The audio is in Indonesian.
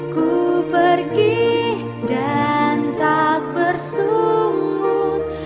ku pergi dan tak bersunggut